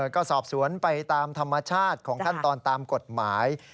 ก็สอบสวนไปตามธรรมชาติของขั้นตอนตามกฎหมาย